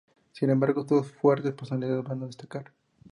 Sin embargo, dos fuertes personalidades van a destacar.